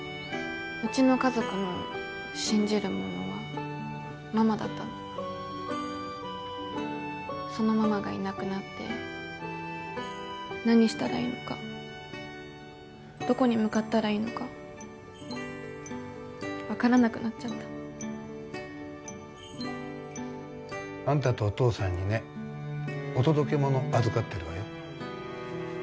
うちの家族の信じるものはママだったのそのママがいなくなって何したらいいのかどこに向かったらいいのか分からなくなっちゃったあんたとお父さんにねお届け物預かってるわよ